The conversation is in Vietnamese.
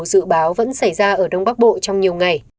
dự báo vẫn xảy ra ở đông bắc bộ trong nhiều ngày